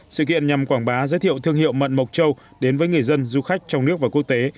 sự kiện nhằm quảng bá giới thiệu thương hiệu mận mộc châu đến với người dân du khách trong nước và quốc tế